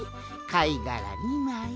かいがら２まい。